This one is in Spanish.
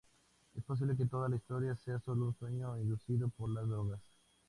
Es posible que toda la historia sea solo un sueño inducido por las drogas.